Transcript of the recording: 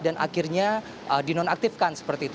dan akhirnya dinonaktifkan seperti itu